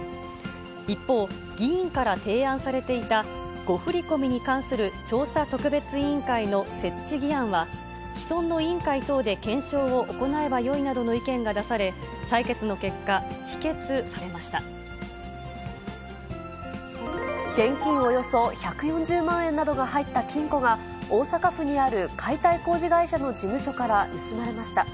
一方、議員から提案されていた、誤振り込みに関する調査特別委員会の設置議案は、既存の委員会等で検証を行えばよいなどの意見が出され、現金およそ１４０万円などが入った金庫が、大阪府にある解体工事会社の事務所から盗まれました。